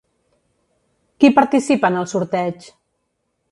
Qui participa en el sorteig?